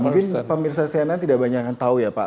wah mungkin pak mirza sianan tidak banyak yang tahu ya pak